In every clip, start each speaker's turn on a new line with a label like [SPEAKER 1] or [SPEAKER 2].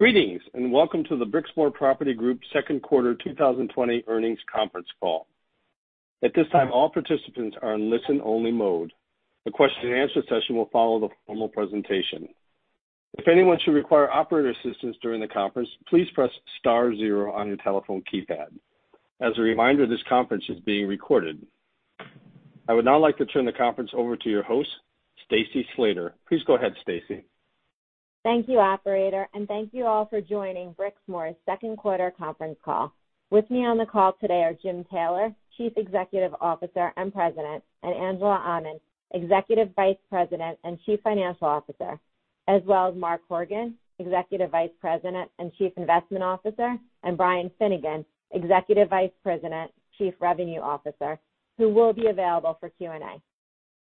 [SPEAKER 1] Greetings, and welcome to the Brixmor Property Group second quarter 2020 earnings conference call. At this time, all participants are in listen-only mode. The question and answer session will follow the formal presentation. If anyone should require operator assistance during the conference, please press star zero on your telephone keypad. As a reminder, this conference is being recorded. I would now like to turn the conference over to your host, Stacy Slater. Please go ahead, Stacy.
[SPEAKER 2] Thank you, operator, and thank you all for joining Brixmor’s second quarter conference call. With me on the call today are Jim Taylor, Chief Executive Officer and President, and Angela Aman, Executive Vice President and Chief Financial Officer, as well as Mark Horgan, Executive Vice President and Chief Investment Officer, and Brian Finnegan, Executive Vice President, Chief Revenue Officer, who will be available for Q&A.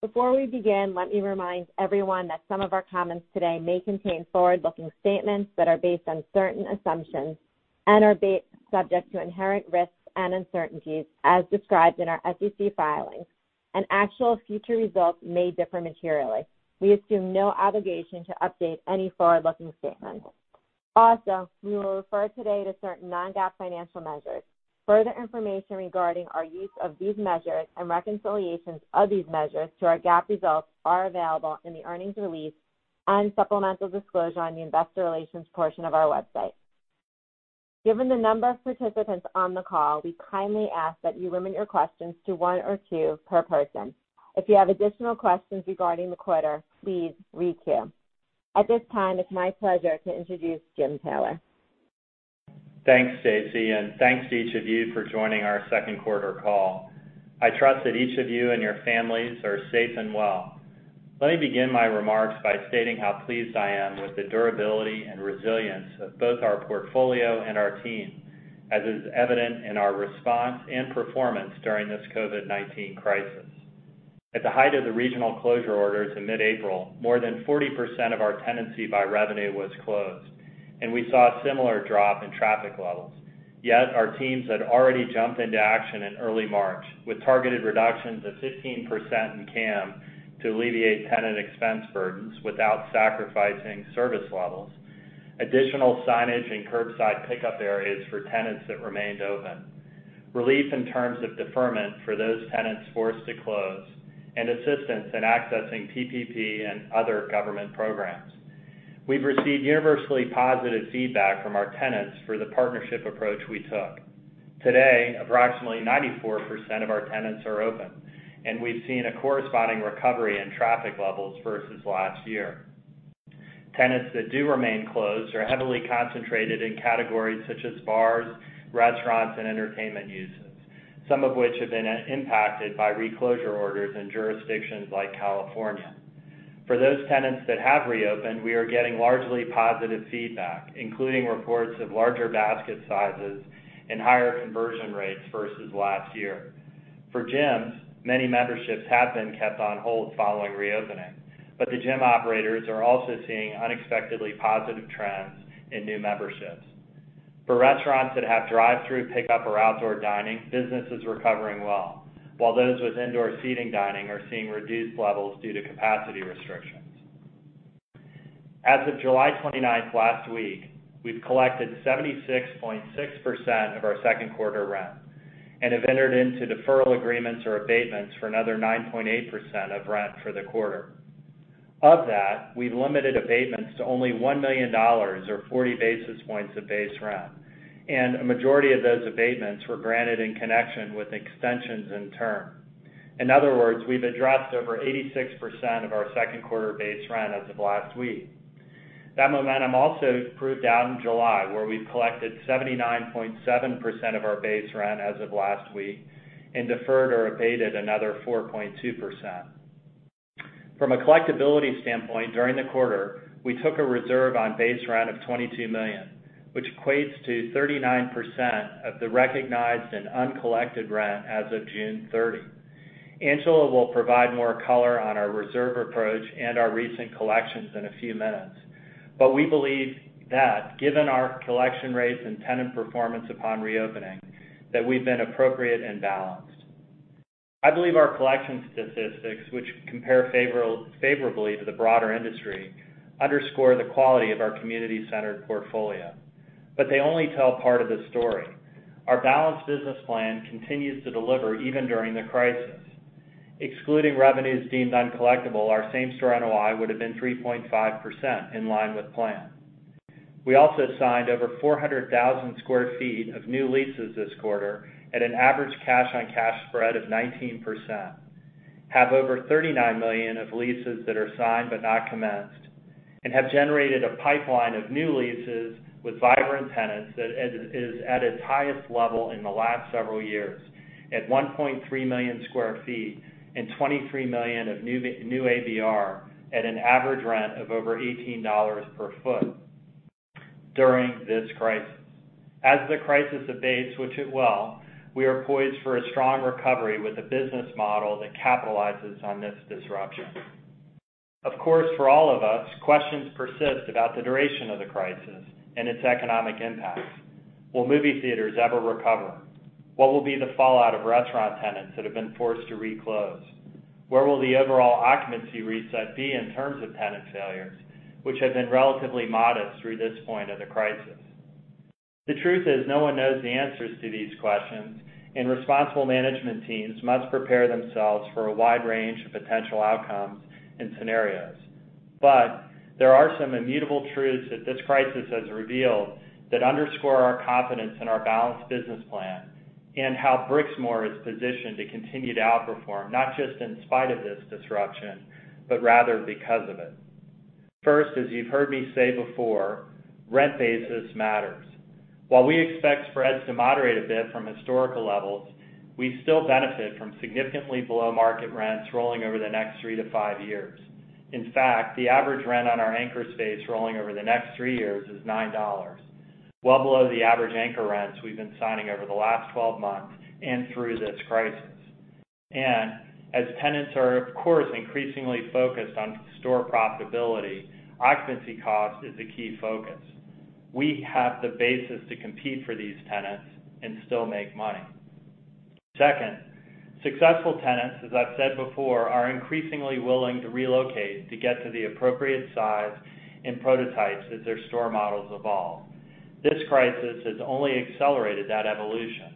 [SPEAKER 2] Before we begin, let me remind everyone that some of our comments today may contain forward-looking statements that are based on certain assumptions and are subject to inherent risks and uncertainties as described in our SEC filings. Actual future results may differ materially. We assume no obligation to update any forward-looking statements. We will refer today to certain non-GAAP financial measures. Further information regarding our use of these measures and reconciliations of these measures to our GAAP results are available in the earnings release and supplemental disclosure on the investor relations portion of our website. Given the number of participants on the call, we kindly ask that you limit your questions to one or two per person. If you have additional questions regarding the quarter, please re-queue. At this time, it is my pleasure to introduce Jim Taylor.
[SPEAKER 3] Thanks, Stacy, and thanks to each of you for joining our second quarter call. I trust that each of you and your families are safe and well. Let me begin my remarks by stating how pleased I am with the durability and resilience of both our portfolio and our team, as is evident in our response and performance during this COVID-19 crisis. At the height of the regional closure orders in mid-April, more than 40% of our tenancy by revenue was closed, and we saw a similar drop in traffic levels. Yet, our teams had already jumped into action in early March with targeted reductions of 15% in CAM to alleviate tenant expense burdens without sacrificing service levels, additional signage and curbside pickup areas for tenants that remained open, relief in terms of deferment for those tenants forced to close, and assistance in accessing PPP and other government programs. We've received universally positive feedback from our tenants for the partnership approach we took. Today, approximately 94% of our tenants are open, and we've seen a corresponding recovery in traffic levels versus last year. Tenants that do remain closed are heavily concentrated in categories such as bars, restaurants, and entertainment uses, some of which have been impacted by reclosure orders in jurisdictions like California. For those tenants that have reopened, we are getting largely positive feedback, including reports of larger basket sizes and higher conversion rates versus last year. For gyms, many memberships have been kept on hold following reopening, but the gym operators are also seeing unexpectedly positive trends in new memberships. For restaurants that have drive-through pickup or outdoor dining, business is recovering well, while those with indoor seating dining are seeing reduced levels due to capacity restrictions. As of July 29th last week, we've collected 76.6% of our second quarter rent and have entered into deferral agreements or abatements for another 9.8% of rent for the quarter. Of that, we've limited abatements to only $1 million or 40 basis points of base rent, and a majority of those abatements were granted in connection with extensions in term. In other words, we've addressed over 86% of our second quarter base rent as of last week. That momentum also proved out in July, where we've collected 79.7% of our base rent as of last week and deferred or abated another 4.2%. From a collectibility standpoint during the quarter, we took a reserve on base rent of $22 million, which equates to 39% of the recognized and uncollected rent as of June 30. Angela will provide more color on our reserve approach and our recent collections in a few minutes. We believe that given our collection rates and tenant performance upon reopening, that we've been appropriate and balanced. I believe our collection statistics, which compare favorably to the broader industry, underscore the quality of our community-centered portfolio. They only tell part of the story. Our balanced business plan continues to deliver even during the crisis. Excluding revenues deemed uncollectible, our same-store NOI would have been 3.5%, in line with plan. We also signed over 400,000 square feet of new leases this quarter at an average cash-on-cash spread of 19%, have over $39 million of leases that are signed but not commenced, and have generated a pipeline of new leases with vibrant tenants that is at its highest level in the last several years at 1.3 million square feet and $23 million of new ABR at an average rent of over $18 per foot during this crisis. As the crisis abates, which it will, we are poised for a strong recovery with a business model that capitalizes on this disruption. Of course, for all of us, questions persist about the duration of the crisis and its economic impact. Will movie theaters ever recover? What will be the fallout of restaurant tenants that have been forced to re-close? Where will the overall occupancy reset be in terms of tenant failures, which have been relatively modest through this point of the crisis? The truth is, no one knows the answers to these questions, and responsible management teams must prepare themselves for a wide range of potential outcomes and scenarios. There are some immutable truths that this crisis has revealed that underscore our confidence in our balanced business plan and how Brixmor is positioned to continue to outperform, not just in spite of this disruption, but rather because of it. First, as you've heard me say before, rent basis matters. While we expect spreads to moderate a bit from historical levels, we still benefit from significantly below-market rents rolling over the next 3-5 years. In fact, the average rent on our anchor space rolling over the next three years is $9, well below the average anchor rents we've been signing over the last 12 months and through this crisis. As tenants are, of course, increasingly focused on store profitability, occupancy cost is a key focus. We have the basis to compete for these tenants and still make money. Second, successful tenants, as I've said before, are increasingly willing to relocate to get to the appropriate size and prototypes as their store models evolve. This crisis has only accelerated that evolution.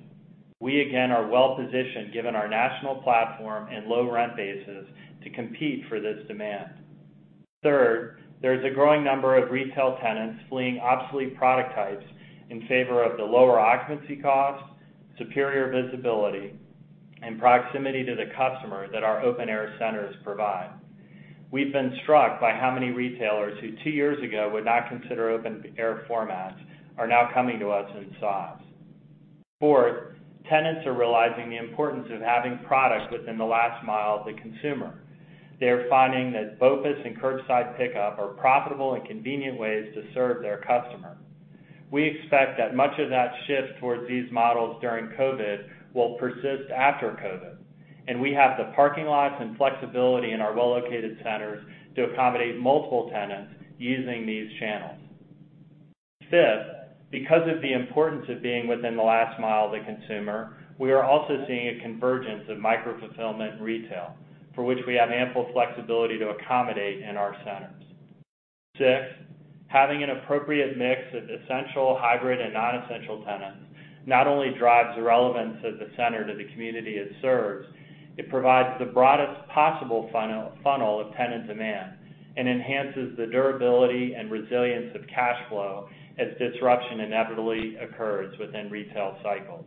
[SPEAKER 3] We, again, are well-positioned given our national platform and low rent basis to compete for this demand. Third, there is a growing number of retail tenants fleeing obsolete product types in favor of the lower occupancy costs, superior visibility, and proximity to the customer that our open-air centers provide. We've been struck by how many retailers who two years ago would not consider open-air formats are now coming to us in size. Fourth, tenants are realizing the importance of having product within the last mile of the consumer. They are finding that BOPUS and curbside pickup are profitable and convenient ways to serve their customer. We expect that much of that shift towards these models during COVID will persist after COVID, and we have the parking lots and flexibility in our well-located centers to accommodate multiple tenants using these channels. Fifth, because of the importance of being within the last mile of the consumer, we are also seeing a convergence of micro-fulfillment retail, for which we have ample flexibility to accommodate in our centers. Six, having an appropriate mix of essential, hybrid, and non-essential tenants not only drives the relevance of the center to the community it serves, it provides the broadest possible funnel of tenant demand and enhances the durability and resilience of cash flow as disruption inevitably occurs within retail cycles.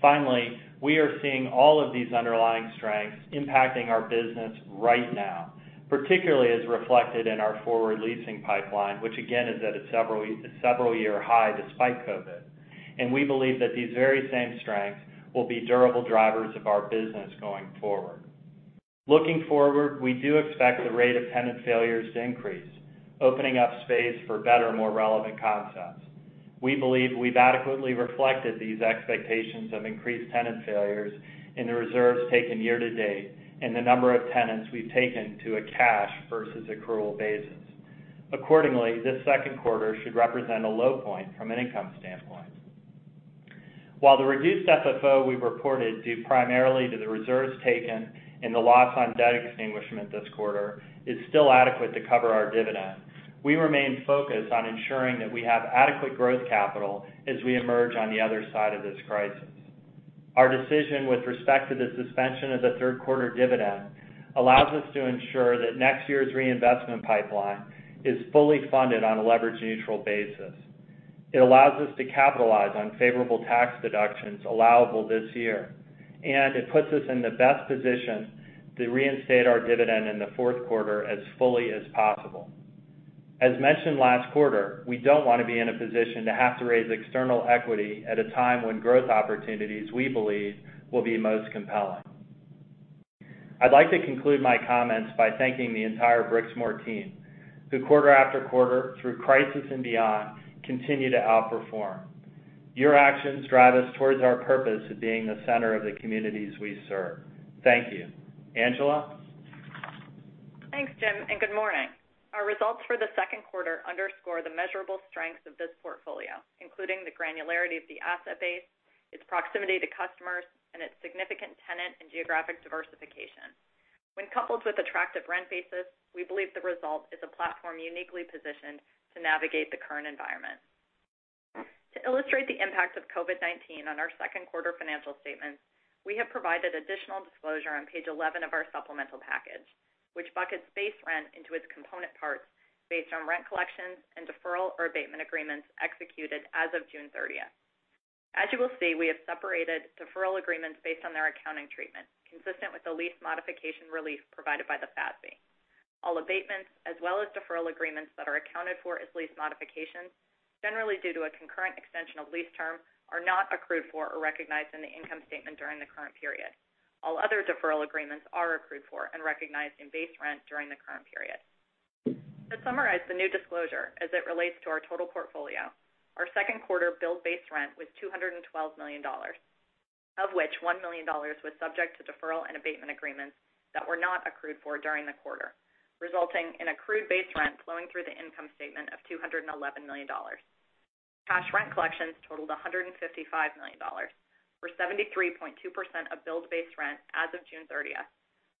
[SPEAKER 3] Finally, we are seeing all of these underlying strengths impacting our business right now, particularly as reflected in our forward leasing pipeline, which again, is at a several-year high despite COVID. We believe that these very same strengths will be durable drivers of our business going forward. Looking forward, we do expect the rate of tenant failures to increase, opening up space for better and more relevant concepts. We believe we've adequately reflected these expectations of increased tenant failures in the reserves taken year to date and the number of tenants we've taken to a cash versus accrual basis. Accordingly, this second quarter should represent a low point from an income standpoint. While the reduced FFO we reported due primarily to the reserves taken and the loss on debt extinguishment this quarter is still adequate to cover our dividend, we remain focused on ensuring that we have adequate growth capital as we emerge on the other side of this crisis. Our decision with respect to the suspension of the third quarter dividend allows us to ensure that next year's reinvestment pipeline is fully funded on a leverage-neutral basis. It allows us to capitalize on favorable tax deductions allowable this year. It puts us in the best position to reinstate our dividend in the fourth quarter as fully as possible. As mentioned last quarter, we don't want to be in a position to have to raise external equity at a time when growth opportunities, we believe, will be most compelling. I'd like to conclude my comments by thanking the entire Brixmor team, who quarter after quarter, through crisis and beyond, continue to outperform. Your actions drive us towards our purpose of being the center of the communities we serve. Thank you. Angela?
[SPEAKER 4] Thanks, Jim. Good morning. Our results for the second quarter underscore the measurable strengths of this portfolio, including the granularity of the asset base, its proximity to customers, and its significant tenant and geographic diversification. Coupled with attractive rent basis, we believe the result is a platform uniquely positioned to navigate the current environment. To illustrate the impact of COVID-19 on our second quarter financial statements, we have provided additional disclosure on page 11 of our supplemental package, which buckets base rent into its component parts based on rent collections and deferral or abatement agreements executed as of June 30th. You will see, we have separated deferral agreements based on their accounting treatment, consistent with the lease modification relief provided by the FASB. All abatements, as well as deferral agreements that are accounted for as lease modifications, generally due to a concurrent extension of lease term, are not accrued for or recognized in the income statement during the current period. All other deferral agreements are accrued for and recognized in base rent during the current period. To summarize the new disclosure as it relates to our total portfolio, our second quarter billed base rent was $212 million, of which $1 million was subject to deferral and abatement agreements that were not accrued for during the quarter, resulting in accrued base rent flowing through the income statement of $211 million. Cash rent collections totaled $155 million, or 73.2% of billed base rent as of June 30th,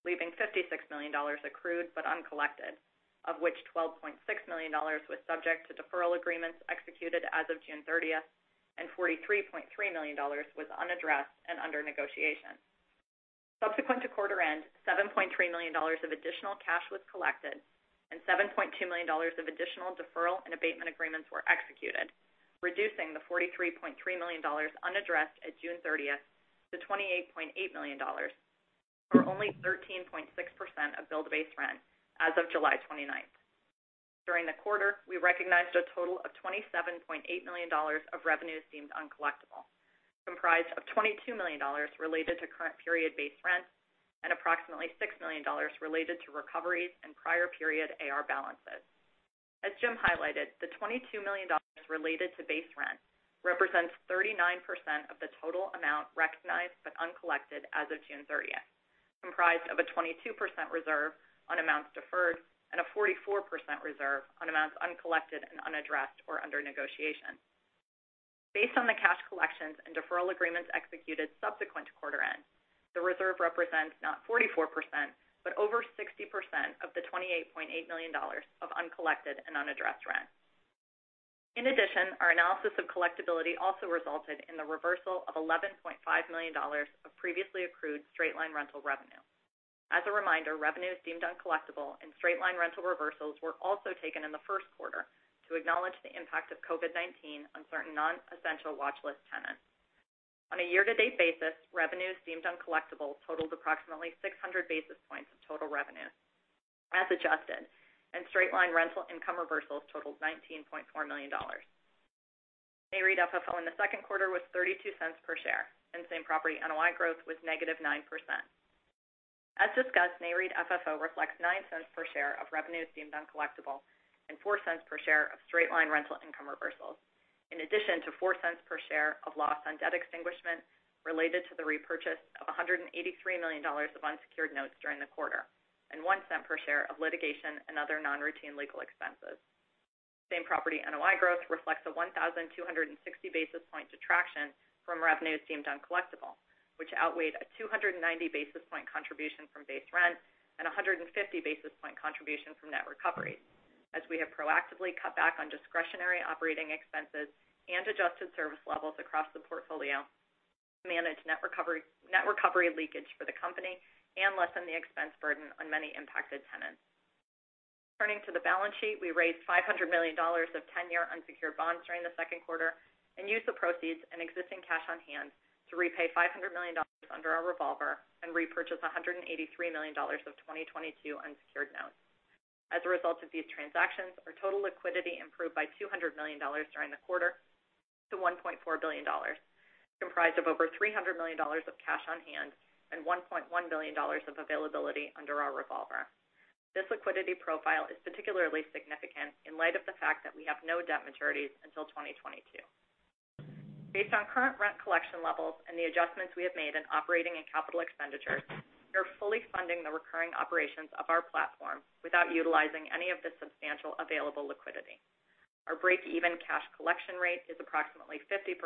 [SPEAKER 4] leaving $56 million accrued but uncollected. Of which $12.6 million was subject to deferral agreements executed as of June 30th, and $43.3 million was unaddressed and under negotiation. Subsequent to quarter end, $7.3 million of additional cash was collected, and $7.2 million of additional deferral and abatement agreements were executed, reducing the $43.3 million unaddressed at June 30th to $28.8 million, or only 13.6% of billed base rent as of July 29th. During the quarter, we recognized a total of $27.8 million of revenues deemed uncollectible, comprised of $22 million related to current period base rent and approximately $6 million related to recoveries in prior period AR balances. As Jim highlighted, the $22 million related to base rent represents 39% of the total amount recognized but uncollected as of June 30th, comprised of a 22% reserve on amounts deferred and a 44% reserve on amounts uncollected and unaddressed or under negotiation. Based on the cash collections and deferral agreements executed subsequent to quarter end, the reserve represents not 44%, but over 60% of the $28.8 million of uncollected and unaddressed rent. Our analysis of collectability also resulted in the reversal of $11.5 million of previously accrued straight-line rental revenue. As a reminder, revenues deemed uncollectible and straight-line rental reversals were also taken in the first quarter to acknowledge the impact of COVID-19 on certain non-essential watchlist tenants. On a year-to-date basis, revenues deemed uncollectible totaled approximately 600 basis points of total revenue as adjusted, and straight-line rental income reversals totaled $19.4 million. NAREIT FFO in the second quarter was $0.32 per share, and same-property NOI growth was negative 9%. As discussed, NAREIT FFO reflects $0.09 per share of revenues deemed uncollectible and $0.04 per share of straight-line rental income reversals, in addition to $0.04 per share of loss on debt extinguishment related to the repurchase of $183 million of unsecured notes during the quarter, and $0.01 per share of litigation and other non-routine legal expenses. Same-property NOI growth reflects a 1,260 basis point detraction from revenues deemed uncollectible, which outweighed a 290 basis point contribution from base rent and 150 basis point contribution from net recovery, as we have proactively cut back on discretionary operating expenses and adjusted service levels across the portfolio to manage net recovery leakage for the company and lessen the expense burden on many impacted tenants. Turning to the balance sheet, we raised $500 million of 10-year unsecured bonds during the second quarter and used the proceeds and existing cash on hand to repay $500 million under our revolver and repurchase $183 million of 2022 unsecured notes. As a result of these transactions, our total liquidity improved by $200 million during the quarter to $1.4 billion, comprised of over $300 million of cash on hand and $1.1 billion of availability under our revolver. This liquidity profile is particularly significant in light of the fact that we have no debt maturities until 2022. Based on current rent collection levels and the adjustments we have made in operating and capital expenditures, we are fully funding the recurring operations of our platform without utilizing any of the substantial available liquidity. Our break-even cash collection rate is approximately 50%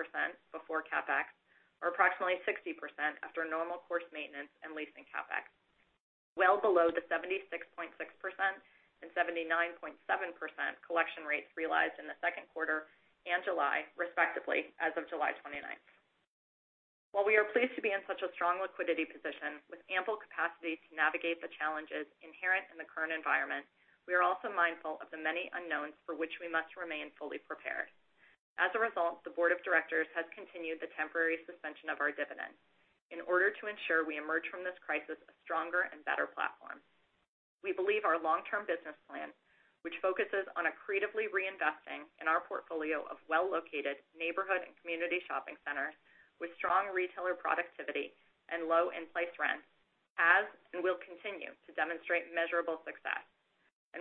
[SPEAKER 4] before CapEx or approximately 60% after normal course maintenance and leasing CapEx, well below the 76.6% and 79.7% collection rates realized in the second quarter and July respectively, as of July 29th. While we are pleased to be in such a strong liquidity position with ample capacity to navigate the challenges inherent in the current environment, we are also mindful of the many unknowns for which we must remain fully prepared. As a result, the board of directors has continued the temporary suspension of our dividend in order to ensure we emerge from this crisis a stronger and better platform. We believe our long-term business plan, which focuses on accretively reinvesting in our portfolio of well-located neighborhood and community shopping centers with strong retailer productivity and low in-place rents, has and will continue to demonstrate measurable success.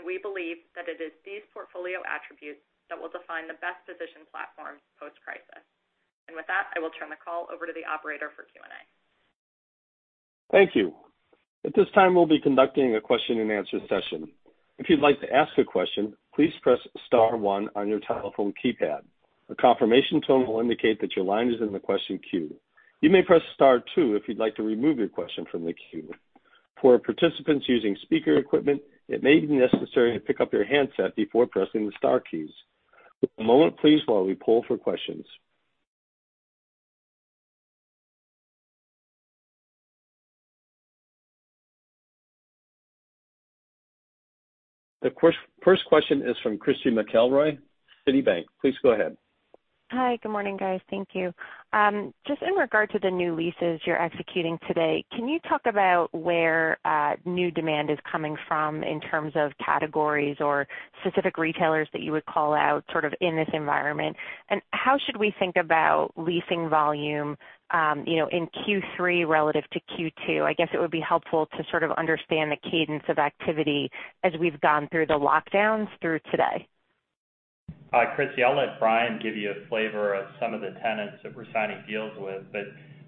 [SPEAKER 4] We believe that it is these portfolio attributes that will define the best-positioned platforms post-crisis. With that, I will turn the call over to the operator for Q&A.
[SPEAKER 1] Thank you. At this time, we'll be conducting a question-and-answer session. If you'd like to ask a question, please press star one on your telephone keypad. A confirmation tone will indicate that your line is in the question queue. You may press star two if you'd like to remove your question from the queue. For participants using speaker equipment, it may be necessary to pick up your handset before pressing the star keys. One moment please while we poll for questions. The first question is from Christy McElroy, Citibank. Please go ahead.
[SPEAKER 5] Hi. Good morning, guys. Thank you. Just in regard to the new leases you're executing today, can you talk about where new demand is coming from in terms of categories or specific retailers that you would call out sort of in this environment? How should we think about leasing volume in Q3 relative to Q2? I guess it would be helpful to sort of understand the cadence of activity as we've gone through the lockdowns through today.
[SPEAKER 3] Hi, Christy. I'll let Brian give you a flavor of some of the tenants that we're signing deals with.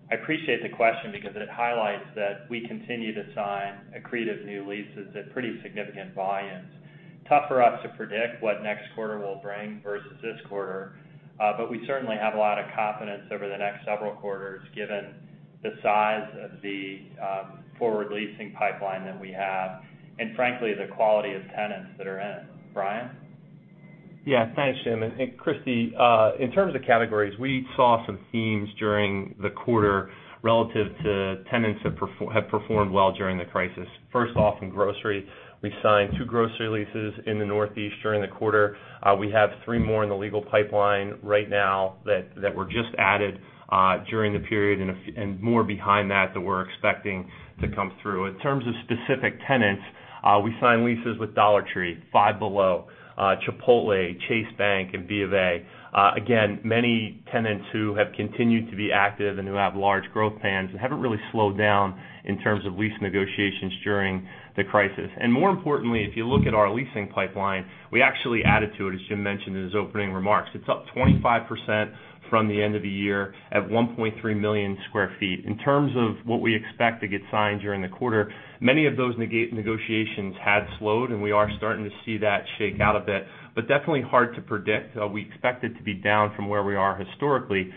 [SPEAKER 3] I appreciate the question because it highlights that we continue to sign accretive new leases at pretty significant volumes. Tough for us to predict what next quarter will bring versus this quarter. We certainly have a lot of confidence over the next several quarters, given the size of the forward leasing pipeline that we have, and frankly, the quality of tenants that are in. Brian?
[SPEAKER 6] Yeah. Thanks, Jim. Christy, in terms of categories, we saw some themes during the quarter relative to tenants that have performed well during the crisis. First off, in grocery, we signed two grocery leases in the Northeast during the quarter. We have three more in the legal pipeline right now that were just added during the period and more behind that we're expecting to come through. In terms of specific tenants, we signed leases with Dollar Tree, Five Below, Chipotle, Chase Bank, and BofA. Again, many tenants who have continued to be active and who have large growth plans and haven't really slowed down in terms of lease negotiations during the crisis. More importantly, if you look at our leasing pipeline, we actually added to it, as Jim mentioned in his opening remarks. It's up 25% from the end of the year at 1.3 million square feet. In terms of what we expect to get signed during the quarter, many of those negotiations had slowed, and we are starting to see that shake out a bit. Definitely hard to predict. We expect it to be down from where we are historically.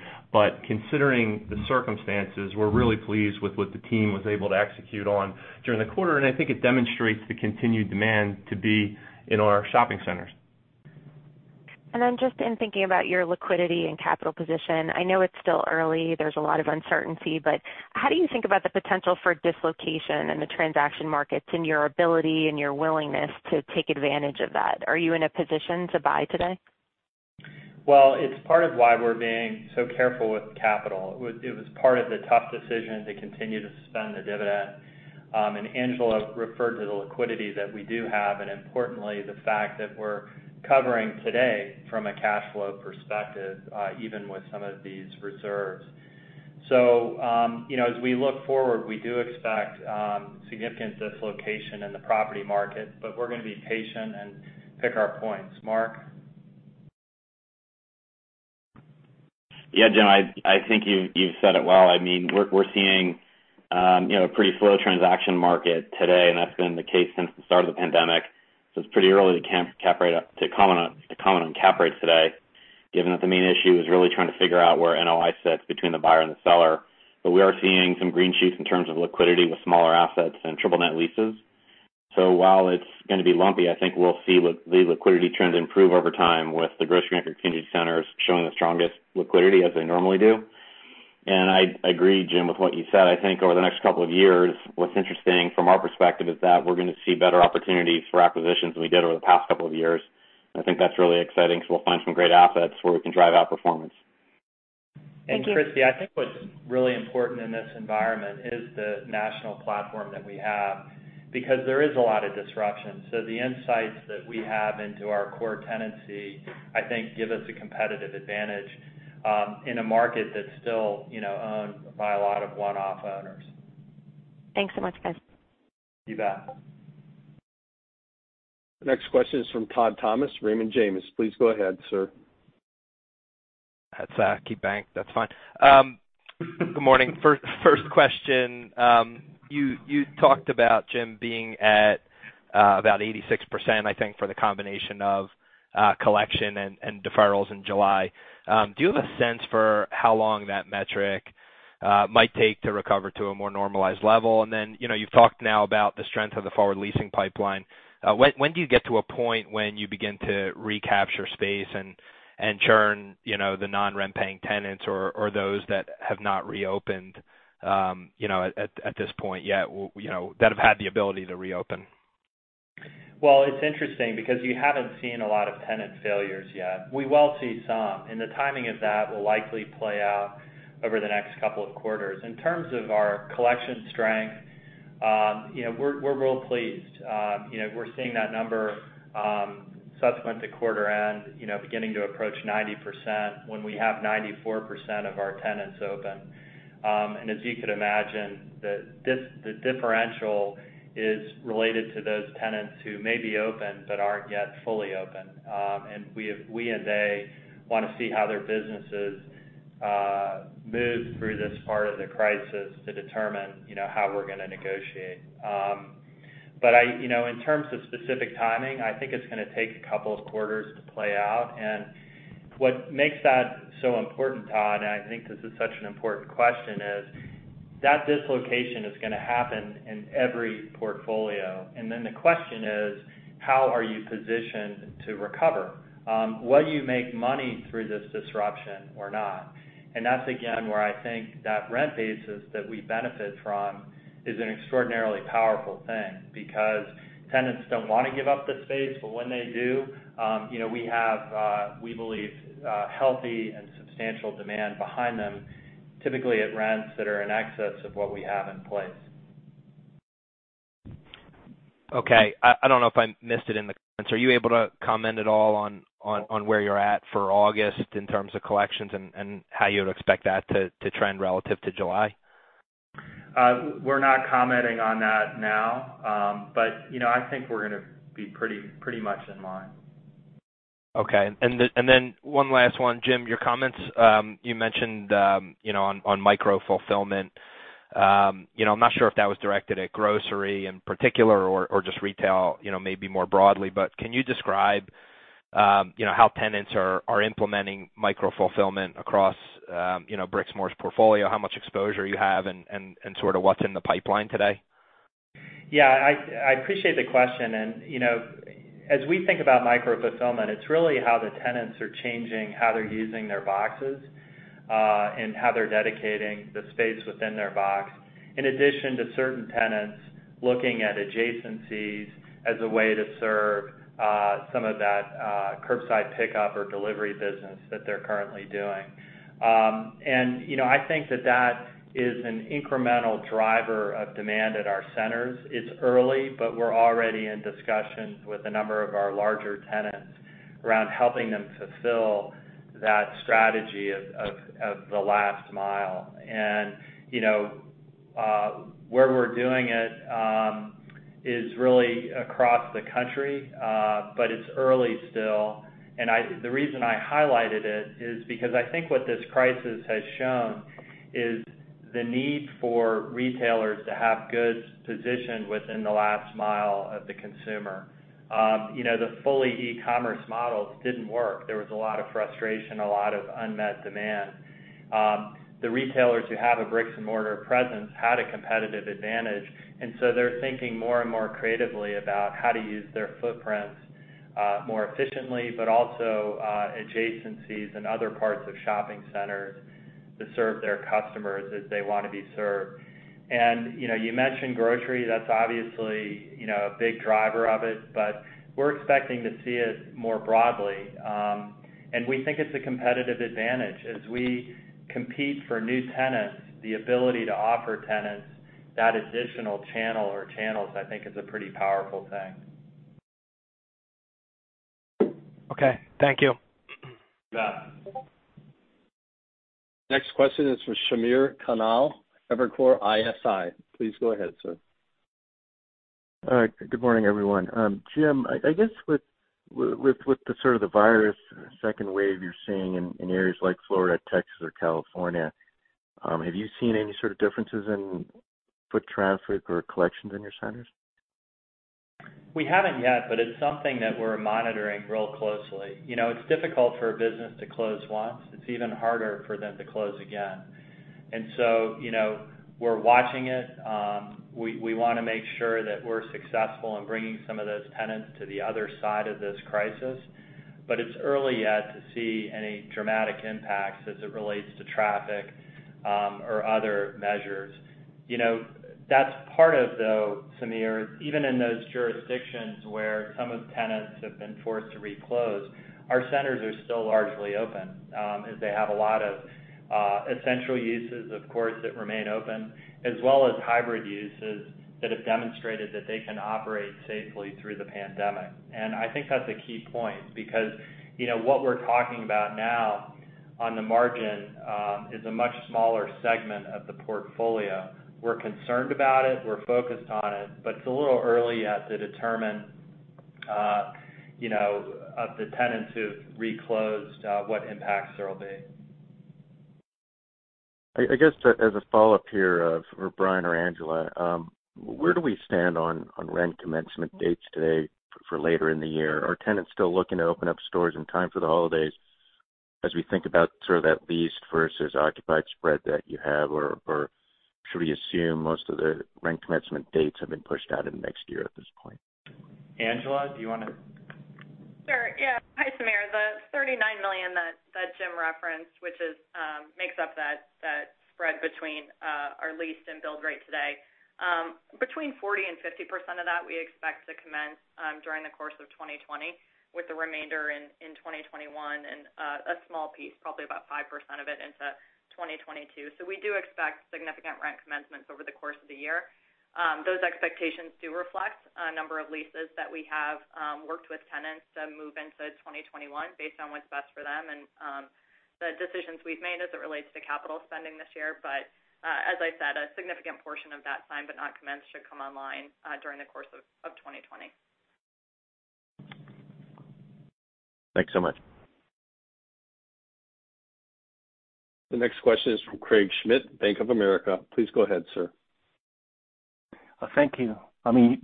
[SPEAKER 6] Considering the circumstances, we're really pleased with what the team was able to execute on during the quarter. I think it demonstrates the continued demand to be in our shopping centers.
[SPEAKER 5] Just in thinking about your liquidity and capital position, I know it's still early, there's a lot of uncertainty. How do you think about the potential for dislocation in the transaction markets and your ability and your willingness to take advantage of that? Are you in a position to buy today?
[SPEAKER 3] Well, it's part of why we're being so careful with capital. It was part of the tough decision to continue to suspend the dividend. Angela referred to the liquidity that we do have, and importantly, the fact that we're covering today from a cash flow perspective, even with some of these reserves. As we look forward, we do expect significant dislocation in the property market, but we're going to be patient and pick our points. Mark?
[SPEAKER 7] Yeah, Jim, I think you've said it well. We're seeing a pretty slow transaction market today, and that's been the case since the start of the pandemic. It's pretty early to comment on cap rates today, given that the main issue is really trying to figure out where NOI sits between the buyer and the seller. We are seeing some green shoots in terms of liquidity with smaller assets and triple net leases. While it's going to be lumpy, I think we'll see the liquidity trends improve over time with the grocery-anchored community centers showing the strongest liquidity as they normally do. I agree, Jim, with what you said. I think over the next couple of years, what's interesting from our perspective is that we're going to see better opportunities for acquisitions than we did over the past couple of years. I think that's really exciting because we'll find some great assets where we can drive out performance.
[SPEAKER 5] Thank you.
[SPEAKER 3] Christy, I think what's really important in this environment is the national platform that we have, because there is a lot of disruption. The insights that we have into our core tenancy, I think, give us a competitive advantage in a market that's still owned by a lot of one-off owners.
[SPEAKER 5] Thanks so much, guys.
[SPEAKER 3] You bet.
[SPEAKER 1] Next question is from Todd Thomas, Raymond James. Please go ahead, sir.
[SPEAKER 8] That's KeyBanc. That's fine. Good morning. First question. You talked about, Jim, being at about 86%, I think, for the combination of collection and deferrals in July. Do you have a sense for how long that metric might take to recover to a more normalized level? You've talked now about the strength of the forward leasing pipeline. When do you get to a point when you begin to recapture space and churn the non-rent-paying tenants or those that have not reopened at this point yet that have had the ability to reopen?
[SPEAKER 3] Well, it's interesting because you haven't seen a lot of tenant failures yet. We will see some, and the timing of that will likely play out over the next couple of quarters. In terms of our collection strength, we're real pleased. We're seeing that number subsequent to quarter end, beginning to approach 90% when we have 94% of our tenants open. As you could imagine, the differential is related to those tenants who may be open but aren't yet fully open. We and they want to see how their businesses move through this part of the crisis to determine how we're going to negotiate. In terms of specific timing, I think it's going to take a couple of quarters to play out. What makes that so important, Todd, and I think this is such an important question, is that dislocation is going to happen in every portfolio. Then the question is, how are you positioned to recover? Will you make money through this disruption or not? That's again, where I think that rent basis that we benefit from is an extraordinarily powerful thing because tenants don't want to give up the space, but when they do we have, we believe, healthy and substantial demand behind them, typically at rents that are in excess of what we have in place.
[SPEAKER 8] I don't know if I missed it in the comments. Are you able to comment at all on where you're at for August in terms of collections and how you would expect that to trend relative to July?
[SPEAKER 3] We're not commenting on that now. I think we're going to be pretty much in line.
[SPEAKER 8] Okay. One last one, Jim, your comments. You mentioned on micro-fulfillment. I'm not sure if that was directed at grocery in particular or just retail maybe more broadly, can you describe how tenants are implementing micro-fulfillment across Brixmor's portfolio, how much exposure you have, and sort of what's in the pipeline today?
[SPEAKER 3] Yeah, I appreciate the question. As we think about micro-fulfillment, it's really how the tenants are changing how they're using their boxes. How they're dedicating the space within their box, in addition to certain tenants looking at adjacencies as a way to serve some of that curbside pickup or delivery business that they're currently doing. I think that that is an incremental driver of demand at our centers. It's early, but we're already in discussions with a number of our larger tenants around helping them fulfill that strategy of the last-mile. Where we're doing it is really across the country. It's early still, and the reason I highlighted it is because I think what this crisis has shown is the need for retailers to have goods positioned within the last-mile of the consumer. The fully e-commerce models didn't work. There was a lot of frustration, a lot of unmet demand. The retailers who have a bricks-and-mortar presence had a competitive advantage. They're thinking more and more creatively about how to use their footprints more efficiently, but also adjacencies and other parts of shopping centers to serve their customers as they want to be served. You mentioned grocery, that's obviously a big driver of it, but we're expecting to see it more broadly. We think it's a competitive advantage as we compete for new tenants, the ability to offer tenants that additional channel or channels, I think, is a pretty powerful thing.
[SPEAKER 8] Okay. Thank you.
[SPEAKER 3] You bet.
[SPEAKER 1] Next question is from Samir Khanal, Evercore ISI. Please go ahead, sir.
[SPEAKER 9] All right. Good morning, everyone. Jim, I guess with sort of the virus second wave you're seeing in areas like Florida, Texas, or California, have you seen any sort of differences in foot traffic or collections in your centers?
[SPEAKER 3] We haven't yet, but it's something that we're monitoring real closely. It's difficult for a business to close once. It's even harder for them to close again. We're watching it. We want to make sure that we're successful in bringing some of those tenants to the other side of this crisis, but it's early yet to see any dramatic impacts as it relates to traffic or other measures. That's part of, though, Samir, even in those jurisdictions where some of the tenants have been forced to reclose, our centers are still largely open, as they have a lot of essential uses, of course, that remain open, as well as hybrid uses that have demonstrated that they can operate safely through the pandemic. I think that's a key point because what we're talking about now on the margin is a much smaller segment of the portfolio. We're concerned about it, we're focused on it, but it's a little early yet to determine of the tenants who've reclosed what impacts there'll be.
[SPEAKER 9] I guess as a follow-up here for Brian or Angela, where do we stand on rent commencement dates today for later in the year? Are tenants still looking to open up stores in time for the holidays as we think about sort of that leased versus occupied spread that you have? Should we assume most of the rent commencement dates have been pushed out into next year at this point?
[SPEAKER 3] Angela, do you want to?
[SPEAKER 4] Sure, yeah. Hi, Samir. The $39 million that Jim referenced, which makes up that spread between our leased and build rate today, between 40% and 50% of that we expect to commence during the course of 2020, with the remainder in 2021 and a small piece, probably about 5% of it, into 2022. We do expect significant rent commencements over the course of the year. Those expectations do reflect a number of leases that we have worked with tenants to move into 2021 based on what's best for them and the decisions we've made as it relates to capital spending this year. As I said, a significant portion of that signed but not commenced should come online during the course of 2020.
[SPEAKER 9] Thanks so much.
[SPEAKER 1] The next question is from Craig Schmidt, Bank of America. Please go ahead, sir.
[SPEAKER 10] Thank you.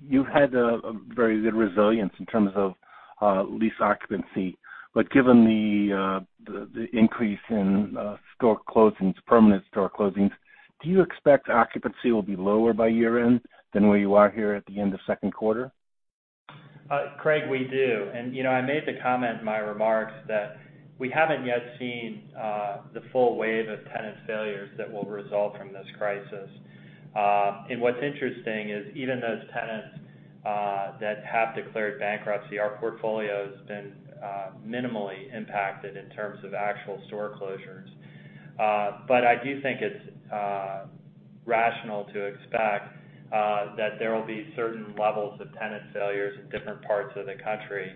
[SPEAKER 10] You've had a very good resilience in terms of lease occupancy. Given the increase in store closings, permanent store closings, do you expect occupancy will be lower by year-end than where you are here at the end of second quarter?
[SPEAKER 3] Craig, we do. I made the comment in my remarks that we haven't yet seen the full wave of tenant failures that will result from this crisis. What's interesting is even those tenants that have declared bankruptcy, our portfolio has been minimally impacted in terms of actual store closures. I do think it's rational to expect that there will be certain levels of tenant failures in different parts of the country,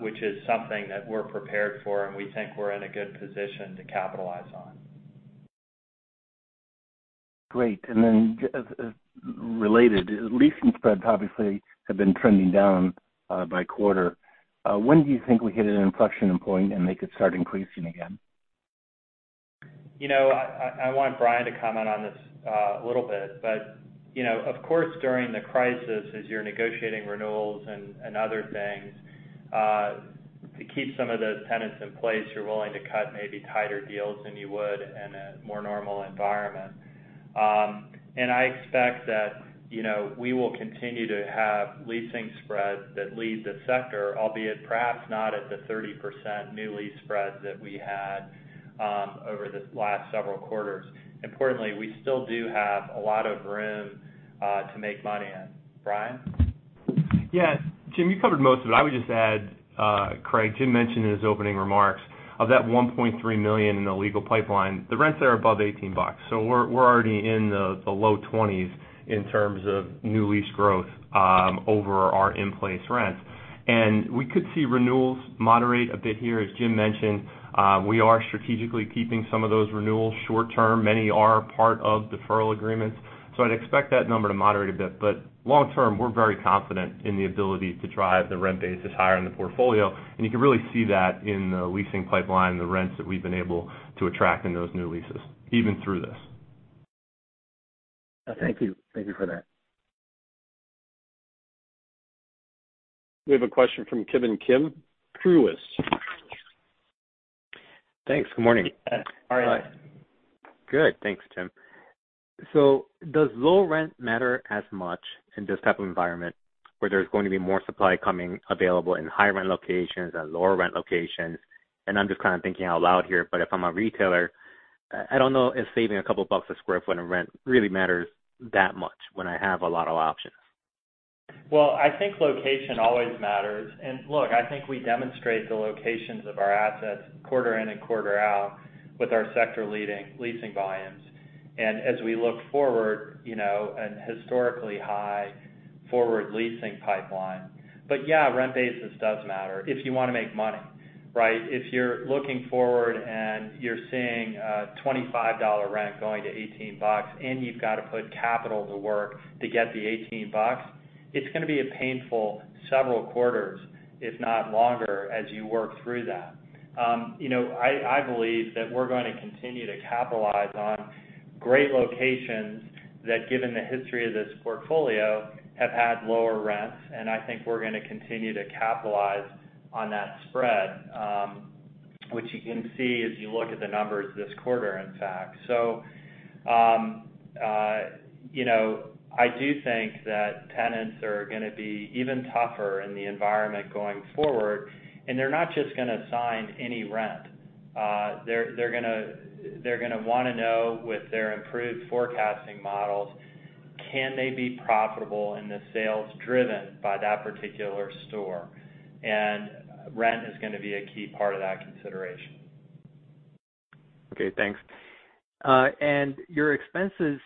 [SPEAKER 3] which is something that we're prepared for and we think we're in a good position to capitalize on.
[SPEAKER 10] Great. Related, leasing spreads obviously have been trending down by quarter. When do you think we hit an inflection point and they could start increasing again?
[SPEAKER 3] I want Brian to comment on this a little bit, but of course, during the crisis, as you're negotiating renewals and other things, to keep some of those tenants in place, you're willing to cut maybe tighter deals than you would in a more normal environment. I expect that we will continue to have leasing spreads that lead the sector, albeit perhaps not at the 30% new lease spreads that we had over the last several quarters. Importantly, we still do have a lot of room to make money in. Brian?
[SPEAKER 6] Jim, you covered most of it. I would just add, Craig, Jim mentioned in his opening remarks, of that $1.3 million in the legal pipeline, the rents there are above $18. We're already in the low 20s in terms of new lease growth over our in-place rents. We could see renewals moderate a bit here. As Jim mentioned, we are strategically keeping some of those renewals short-term. Many are part of deferral agreements, so I'd expect that number to moderate a bit. Long-term, we're very confident in the ability to drive the rent basis higher in the portfolio, and you can really see that in the leasing pipeline and the rents that we've been able to attract in those new leases, even through this.
[SPEAKER 10] Thank you. Thank you for that.
[SPEAKER 1] We have a question from Ki Bin Kim, Truist.
[SPEAKER 11] Thanks. Good morning.
[SPEAKER 3] How are you?
[SPEAKER 11] Good. Thanks, Jim. Does low rent matter as much in this type of environment where there's going to be more supply coming available in high-rent locations and lower-rent locations? I'm just kind of thinking out loud here, but if I'm a retailer, I don't know if saving a couple of bucks a square foot on rent really matters that much when I have a lot of options.
[SPEAKER 3] Well, I think location always matters. Look, I think we demonstrate the locations of our assets quarter in and quarter out with our sector-leading leasing volumes. As we look forward, an historically high forward leasing pipeline. Yeah, rent basis does matter if you want to make money, right? If you're looking forward and you're seeing a $25 rent going to $18, and you've got to put capital to work to get the $18, it's going to be a painful several quarters, if not longer, as you work through that. I believe that we're going to continue to capitalize on great locations that, given the history of this portfolio, have had lower rents, and I think we're going to continue to capitalize on that spread, which you can see as you look at the numbers this quarter, in fact. I do think that tenants are going to be even tougher in the environment going forward, and they're not just going to sign any rent. They're going to want to know with their improved forecasting models, can they be profitable in the sales driven by that particular store? And rent is going to be a key part of that consideration.
[SPEAKER 11] Okay, thanks. Your expenses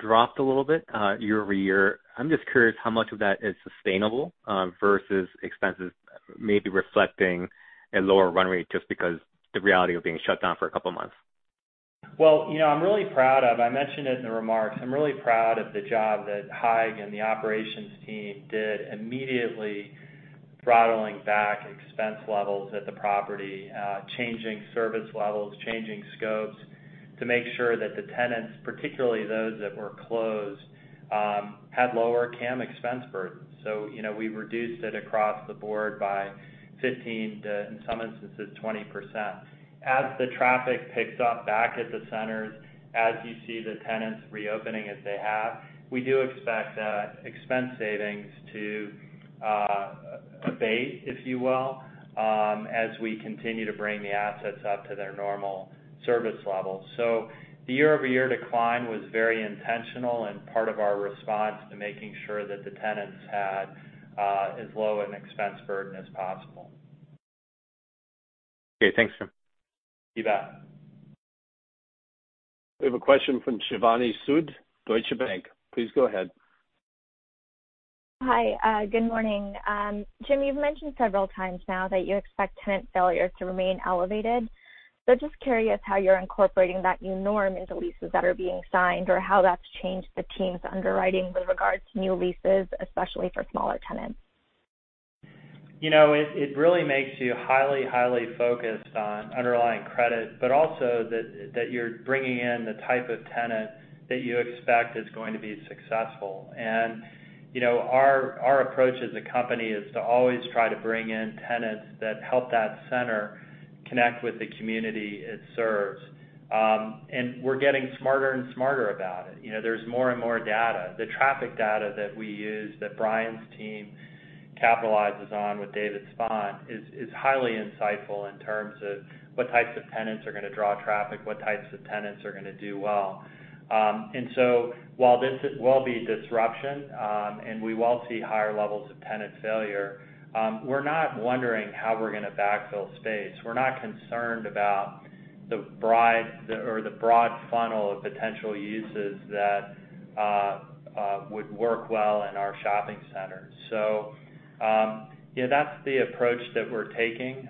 [SPEAKER 11] dropped a little bit year-over-year. I'm just curious how much of that is sustainable versus expenses maybe reflecting a lower run rate just because the reality of being shut down for a couple of months.
[SPEAKER 3] I mentioned it in the remarks. I'm really proud of the job that Haig and the operations team did immediately throttling back expense levels at the property, changing service levels, changing scopes to make sure that the tenants, particularly those that were closed, had lower CAM expense burdens. We reduced it across the board by 15% to, in some instances, 20%. As the traffic picks up back at the centers, as you see the tenants reopening as they have, we do expect expense savings to abate, if you will, as we continue to bring the assets up to their normal service levels. The year-over-year decline was very intentional and part of our response to making sure that the tenants had as low an expense burden as possible.
[SPEAKER 11] Okay. Thanks, Tim.
[SPEAKER 3] You bet.
[SPEAKER 1] We have a question from Shivani Sood, Deutsche Bank. Please go ahead.
[SPEAKER 12] Hi. Good morning. Jim, you've mentioned several times now that you expect tenant failures to remain elevated. Just curious how you're incorporating that new norm into leases that are being signed, or how that's changed the team's underwriting with regards to new leases, especially for smaller tenants.
[SPEAKER 3] It really makes you highly focused on underlying credit, but also that you're bringing in the type of tenant that you expect is going to be successful. Our approach as a company is to always try to bring in tenants that help that center connect with the community it serves. We're getting smarter and smarter about it. There's more and more data. The traffic data that we use, that Brian's team capitalizes on with David Spawn, is highly insightful in terms of what types of tenants are going to draw traffic, what types of tenants are going to do well. While this will be a disruption, and we will see higher levels of tenant failure, we're not wondering how we're going to backfill space. We're not concerned about the broad funnel of potential uses that would work well in our shopping centers. Yeah, that's the approach that we're taking.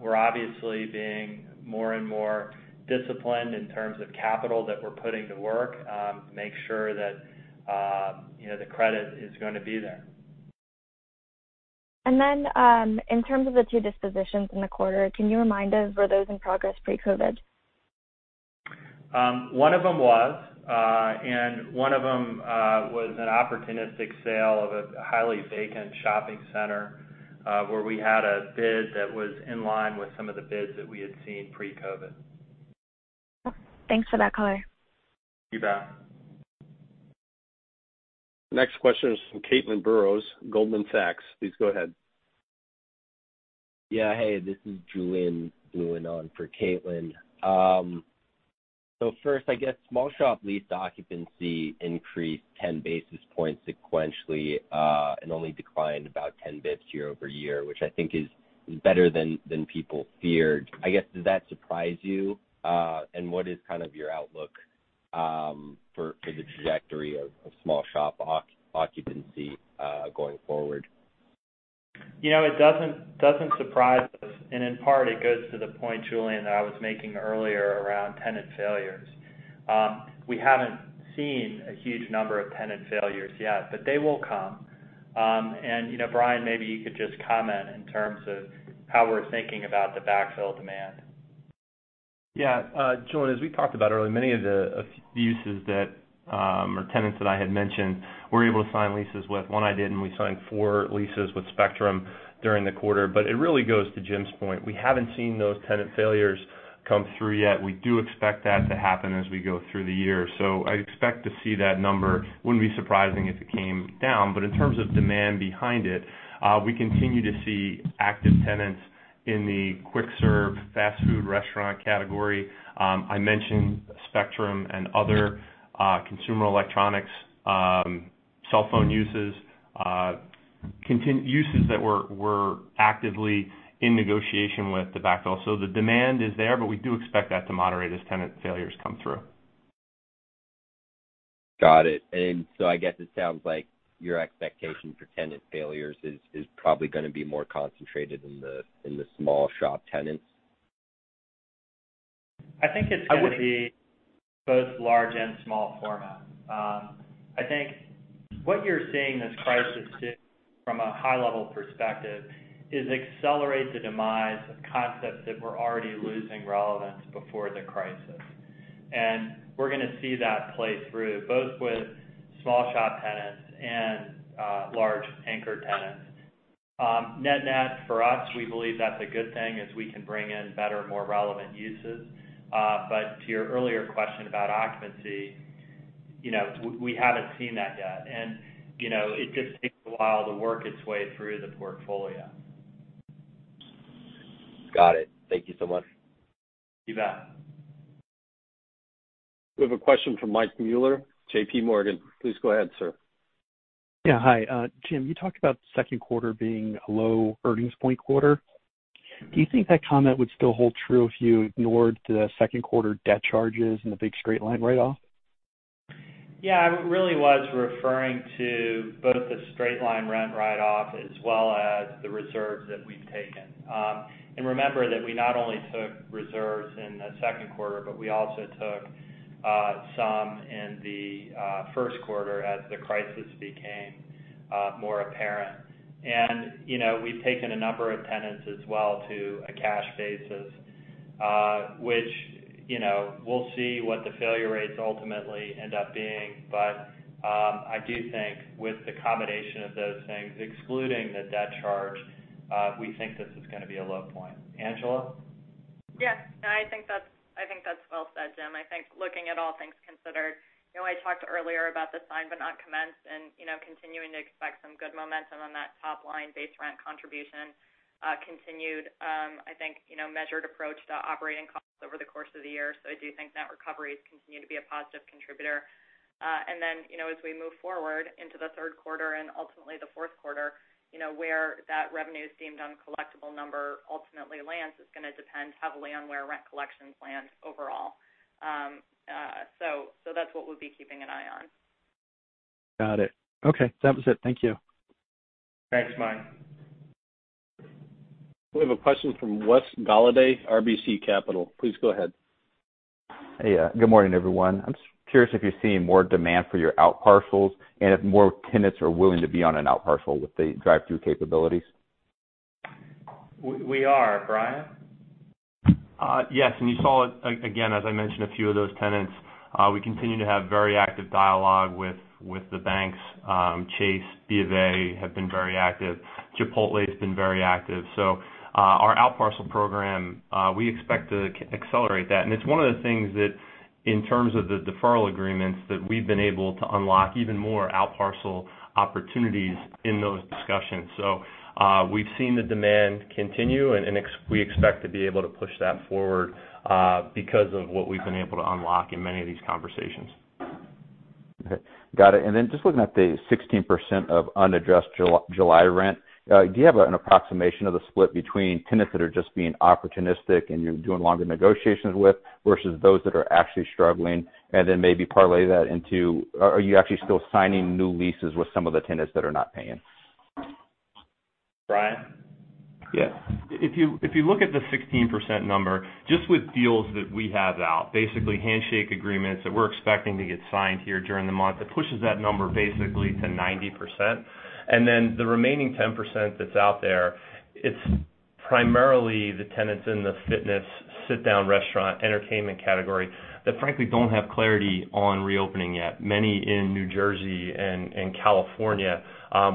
[SPEAKER 3] We're obviously being more and more disciplined in terms of capital that we're putting to work to make sure that the credit is going to be there.
[SPEAKER 12] Then, in terms of the two dispositions in the quarter, can you remind us, were those in progress pre-COVID?
[SPEAKER 3] One of them was an opportunistic sale of a highly vacant shopping center, where we had a bid that was in line with some of the bids that we had seen pre-COVID.
[SPEAKER 12] Thanks for that color.
[SPEAKER 3] You bet.
[SPEAKER 1] Next question is from Caitlin Burrows, Goldman Sachs. Please go ahead.
[SPEAKER 13] Yeah. Hey, this is Julien Blouin on for Caitlin. First, I guess small shop lease occupancy increased 10 basis points sequentially, and only declined about 10 basis points year-over-year, which I think is better than people feared. I guess, does that surprise you? What is kind of your outlook for the trajectory of small shop occupancy going forward?
[SPEAKER 3] It doesn't surprise us. In part, it goes to the point, Julien, that I was making earlier around tenant failures. We haven't seen a huge number of tenant failures yet, but they will come. Brian, maybe you could just comment in terms of how we're thinking about the backfill demand.
[SPEAKER 6] Julien, as we talked about earlier, many of the uses that, or tenants that I had mentioned, we're able to sign leases with. One I did, we signed 4 leases with Spectrum during the quarter. It really goes to Jim's point. We haven't seen those tenant failures come through yet. We do expect that to happen as we go through the year. I expect to see that number. Wouldn't be surprising if it came down. In terms of demand behind it, we continue to see active tenants in the quick serve fast food restaurant category. I mentioned Spectrum and other consumer electronics, cell phone uses that we're actively in negotiation with the backfill. The demand is there, but we do expect that to moderate as tenant failures come through.
[SPEAKER 13] Got it. I guess it sounds like your expectation for tenant failures is probably going to be more concentrated in the small shop tenants.
[SPEAKER 3] I think it's going to be both large and small format. I think what you're seeing this crisis do from a high-level perspective is accelerate the demise of concepts that were already losing relevance before the crisis. We're going to see that play through, both with small shop tenants and large anchor tenants. Net net for us, we believe that's a good thing as we can bring in better, more relevant uses. To your earlier question about occupancy, we haven't seen that yet. It just takes a while to work its way through the portfolio.
[SPEAKER 13] Got it. Thank you so much.
[SPEAKER 3] You bet.
[SPEAKER 1] We have a question from Mike Mueller, JPMorgan. Please go ahead, sir.
[SPEAKER 14] Yeah. Hi. Jim, you talked about second quarter being a low earnings point quarter. Do you think that comment would still hold true if you ignored the second quarter debt charges and the big straight-line write-off?
[SPEAKER 5] Yeah, I really was referring to both the straight line rent write-off as well as the reserves that we've taken. Remember that we not only took reserves in the second quarter, but we also took some in the first quarter as the crisis became more apparent. We've taken a number of tenants as well to a cash basis, which we'll see what the failure rates ultimately end up being. I do think with the combination of those things, excluding the debt charge, we think this is going to be a low point. Angela?
[SPEAKER 4] Yeah. No, I think that's well said, Jim. I think looking at all things considered. I talked earlier about the signed but not commenced and continuing to expect some good momentum on that top-line base rent contribution continued. I think measured approach to operating costs over the course of the year. I do think net recoveries continue to be a positive contributor. As we move forward into the third quarter and ultimately the fourth quarter, where that revenue deemed uncollectible number ultimately lands is going to depend heavily on where rent collections land overall. That's what we'll be keeping an eye on.
[SPEAKER 14] Got it. Okay. That was it. Thank you.
[SPEAKER 3] Thanks, Mike.
[SPEAKER 1] We have a question from Wes Golladay, RBC Capital. Please go ahead.
[SPEAKER 15] Hey. Good morning, everyone. I'm just curious if you're seeing more demand for your outparcels and if more tenants are willing to be on an outparcel with the drive-thru capabilities?
[SPEAKER 3] We are. Brian?
[SPEAKER 6] Yes. You saw it again, as I mentioned, a few of those tenants. We continue to have very active dialogue with the banks. Chase, BofA, have been very active. Chipotle has been very active. Our outparcel program, we expect to accelerate that. It's one of the things that in terms of the deferral agreements, that we've been able to unlock even more outparcel opportunities in those discussions. We've seen the demand continue, and we expect to be able to push that forward, because of what we've been able to unlock in many of these conversations.
[SPEAKER 15] Okay. Got it. Just looking at the 16% of unaddressed July rent, do you have an approximation of the split between tenants that are just being opportunistic and you're doing longer negotiations with, versus those that are actually struggling? And then maybe parlay that into, are you actually still signing new leases with some of the tenants that are not paying?
[SPEAKER 3] Brian?
[SPEAKER 6] Yeah. If you look at the 16% number, just with deals that we have out, basically handshake agreements that we're expecting to get signed here during the month, it pushes that number basically to 90%. The remaining 10% that's out there, it's primarily the tenants in the fitness, sit-down restaurant, entertainment category that frankly don't have clarity on reopening yet. Many in New Jersey and California,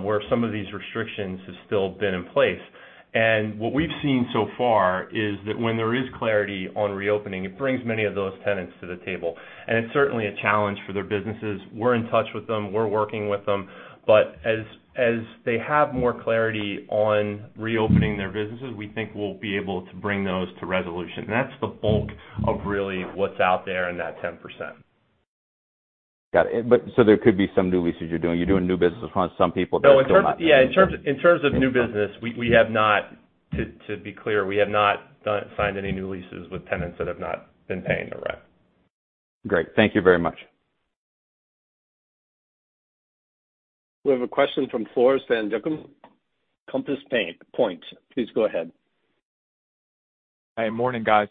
[SPEAKER 6] where some of these restrictions have still been in place. What we've seen so far is that when there is clarity on reopening, it brings many of those tenants to the table, and it's certainly a challenge for their businesses. We're in touch with them. We're working with them. As they have more clarity on reopening their businesses, we think we'll be able to bring those to resolution. That's the bulk of really what's out there in that 10%.
[SPEAKER 15] Got it. There could be some new leases you're doing. You're doing new business with some people that are still not-
[SPEAKER 6] No. In terms of new business, to be clear, we have not signed any new leases with tenants that have not been paying the rent.
[SPEAKER 15] Great. Thank you very much.
[SPEAKER 1] We have a question from Floris van Dijkum, Compass Point. Please go ahead.
[SPEAKER 16] Hi. Morning, guys.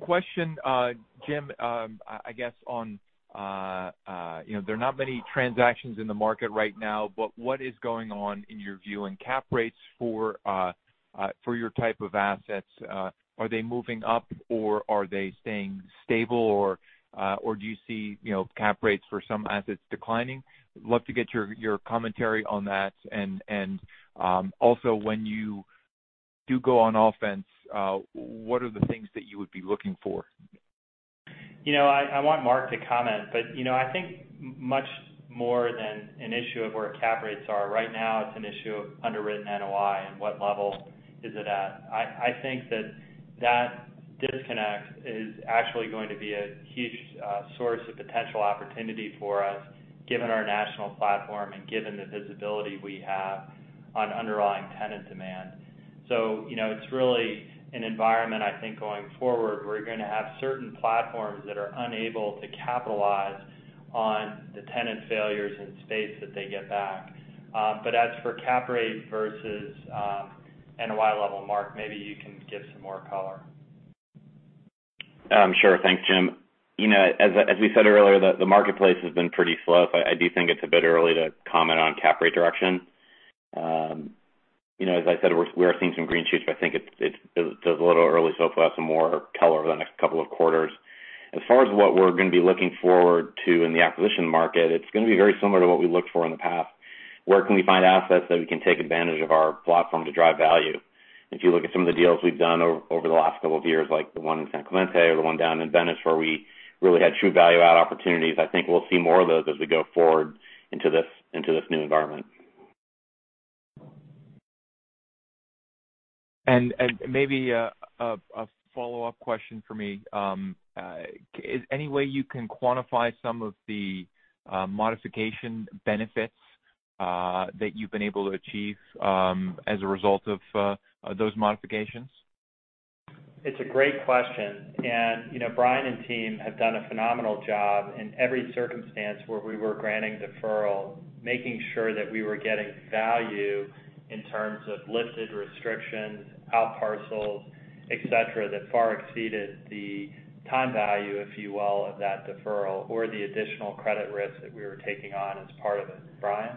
[SPEAKER 16] Question, Jim, I guess on, there are not many transactions in the market right now, but what is going on in your view in cap rates for your type of assets? Are they moving up, or are they staying stable, or do you see cap rates for some assets declining? Love to get your commentary on that. Also when you do go on offense, what are the things that you would be looking for?
[SPEAKER 3] I want Mark to comment, but I think much more than an issue of where cap rates are right now, it's an issue of underwritten NOI and what level is it at. I think that that disconnect is actually going to be a huge source of potential opportunity for us, given our national platform and given the visibility we have on underlying tenant demand. It's really an environment, I think, going forward, we're going to have certain platforms that are unable to capitalize on the tenant failures and space that they get back. As for cap rate versus NOI level, Mark, maybe you can give some more color.
[SPEAKER 7] Sure. Thanks, Jim. We said earlier, the marketplace has been pretty slow. I do think it's a bit early to comment on cap rate direction. I said, we are seeing some green shoots, but I think it's a little early, so we'll have some more color over the next couple of quarters. Far as what we're going to be looking forward to in the acquisition market, it's going to be very similar to what we looked for in the past. Where can we find assets that we can take advantage of our platform to drive value? If you look at some of the deals we've done over the last couple of years, like the one in San Clemente or the one down in Venice, where we really had true value add opportunities, I think we'll see more of those as we go forward into this new environment.
[SPEAKER 16] Maybe a follow-up question from me. Is there any way you can quantify some of the modification benefits that you've been able to achieve as a result of those modifications?
[SPEAKER 3] It's a great question. Brian and team have done a phenomenal job in every circumstance where we were granting deferral, making sure that we were getting value in terms of lifted restrictions, out parcels, et cetera, that far exceeded the time value, if you will, of that deferral or the additional credit risk that we were taking on as part of it. Brian?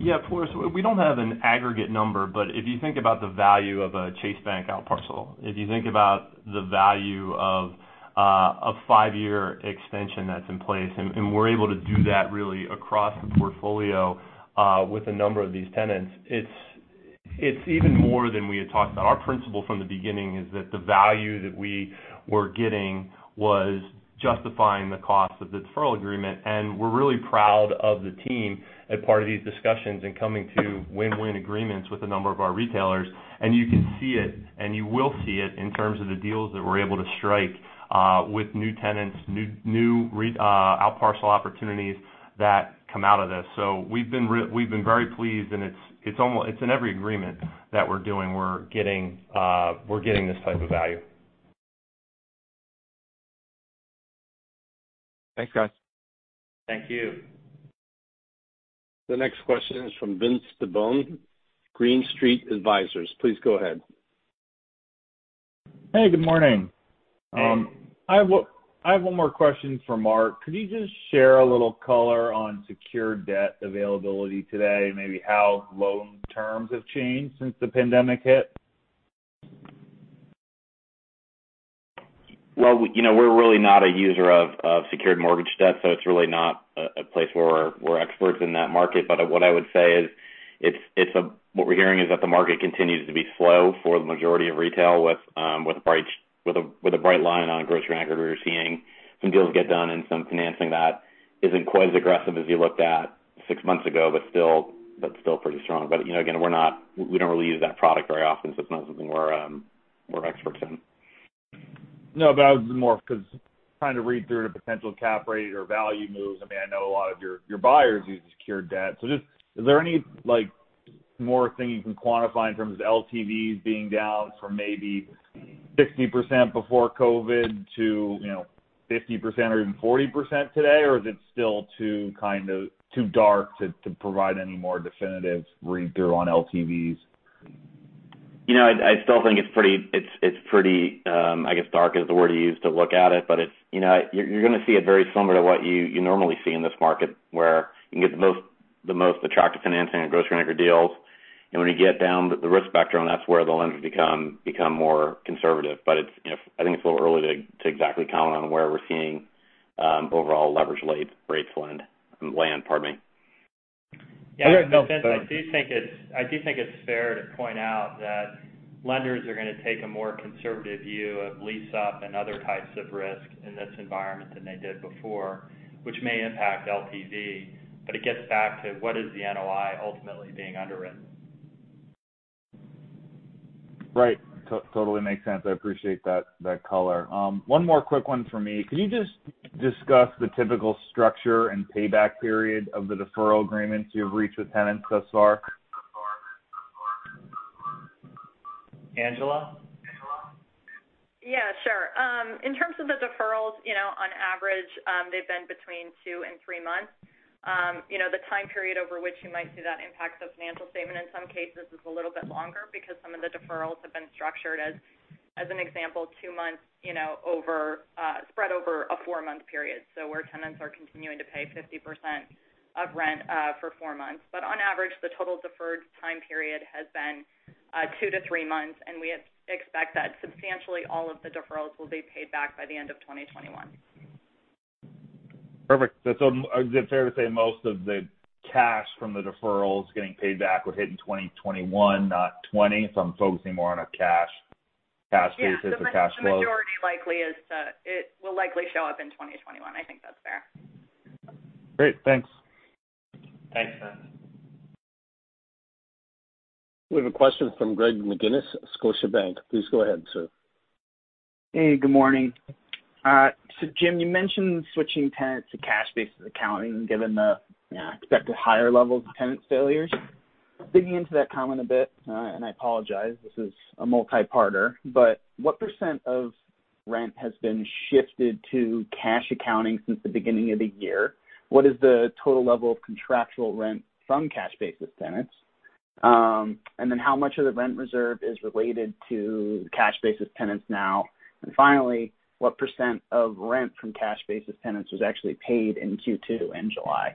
[SPEAKER 6] Yeah, of course. We don't have an aggregate number, but if you think about the value of a Chase Bank outparcell, if you think about the value of a five-year extension that's in place, and we're able to do that really across the portfolio with a number of these tenants, it's even more than we had talked about. Our principle from the beginning is that the value that we were getting was justifying the cost of the deferral agreement. We're really proud of the team as part of these discussions and coming to win-win agreements with a number of our retailers. You can see it, and you will see it in terms of the deals that we're able to strike with new tenants, new outparcel opportunities that come out of this. We've been very pleased, and it's in every agreement that we're doing. We're getting this type of value.
[SPEAKER 16] Thanks, guys.
[SPEAKER 3] Thank you.
[SPEAKER 1] The next question is from Vince Tibone, Green Street Advisors. Please go ahead.
[SPEAKER 17] Hey, good morning.
[SPEAKER 3] Hey.
[SPEAKER 17] I have one more question for Mark. Could you just share a little color on secured debt availability today, maybe how loan terms have changed since the pandemic hit?
[SPEAKER 7] We're really not a user of secured mortgage debt, so it's really not a place where we're experts in that market. What I would say is what we're hearing is that the market continues to be slow for the majority of retail with a bright line on grocery and agriculture. We're seeing some deals get done and some financing that isn't quite as aggressive as you looked at six months ago, but still pretty strong. Again, we don't really use that product very often, so it's not something we're experts in.
[SPEAKER 17] I was more because trying to read through the potential cap rate or value moves. I know a lot of your buyers use secured debt. Just is there any more thing you can quantify in terms of LTVs being down from maybe 60% before COVID to 50% or even 40% today? Is it still too dark to provide any more definitive read through on LTVs?
[SPEAKER 7] I still think it's pretty, I guess dark is the word you use to look at it, but you're going to see it very similar to what you normally see in this market, where you can get the most attractive financing on grocery-anchored deals. When you get down the risk spectrum, that's where the lenders become more conservative. I think it's a little early to exactly count on where we're seeing overall leverage rates land.
[SPEAKER 3] Yeah. No, Vince, I do think it's fair to point out that lenders are going to take a more conservative view of lease up and other types of risk in this environment than they did before, which may impact LTV. It gets back to what is the NOI ultimately being underwritten.
[SPEAKER 17] Right. Totally makes sense. I appreciate that color. One more quick one from me. Can you just discuss the typical structure and payback period of the deferral agreements you've reached with tenants thus far?
[SPEAKER 3] Angela?
[SPEAKER 4] Yeah, sure. In terms of the deferrals, on average they've been between two and three months. The time period over which you might see that impact the financial statement in some cases is a little bit longer because some of the deferrals have been structured as, an example, two months spread over a four-month period. Where tenants are continuing to pay 50% of rent for four months. On average, the total deferred time period has been two to three months, and we expect that substantially all of the deferrals will be paid back by the end of 2021.
[SPEAKER 17] Perfect. Is it fair to say most of the cash from the deferrals getting paid back we're hitting 2021, not 2020? I'm focusing more on a cash basis or cash flow.
[SPEAKER 4] Yeah. The majority it will likely show up in 2021. I think that's fair.
[SPEAKER 17] Great. Thanks.
[SPEAKER 3] Thanks, Vince.
[SPEAKER 1] We have a question from Greg McGinniss, Scotiabank. Please go ahead, sir.
[SPEAKER 18] Hey, good morning. Jim, you mentioned switching tenants to cash basis accounting, given the expected higher levels of tenant failures. Digging into that comment a bit, I apologize, this is a multi-parter. What % of rent has been shifted to cash accounting since the beginning of the year? What is the total level of contractual rent from cash basis tenants? How much of the rent reserve is related to cash basis tenants now? Finally, what % of rent from cash basis tenants was actually paid in Q2 in July?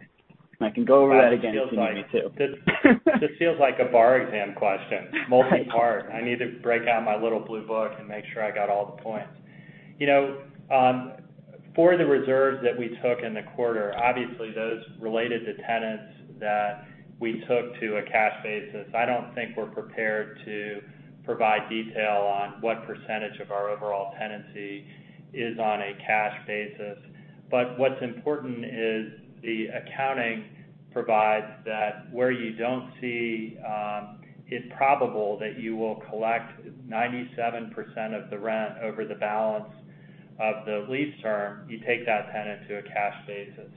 [SPEAKER 18] I can go over that again if you need me to.
[SPEAKER 3] This feels like a bar exam question.
[SPEAKER 18] Right.
[SPEAKER 3] Multi-part. I need to break out my little blue book and make sure I got all the points. For the reserves that we took in the quarter, obviously those related to tenants that we took to a cash basis, I don't think we're prepared to provide detail on what percentage of our overall tenancy is on a cash basis. What's important is the accounting provides that where you don't see it probable that you will collect 97% of the rent over the balance of the lease term, you take that tenant to a cash basis.